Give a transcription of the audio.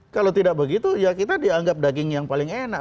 kalau tidak begitu ya kita dianggap daging yang paling enak